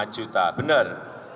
empat lima juta benar